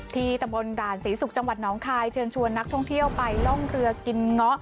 ที่ตะบนด่านสีสุขจังหวัดนองคายเชิญชวนนักท่องเที่ยวไปล่องเรือกินง็อ